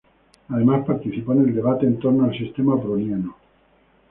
Además participó en el debate en torno al sistema browniano.